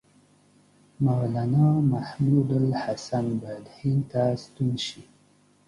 مولنا محمودالحسن باید هند ته ستون شي.